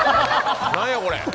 何やこれ？